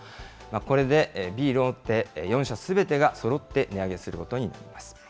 これでビール大手４社すべてがそろって値上げすることになります。